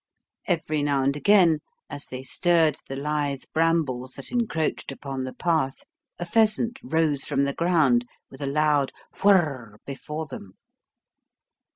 Every now and again, as they stirred the lithe brambles that encroached upon the path, a pheasant rose from the ground with a loud whir r r before them.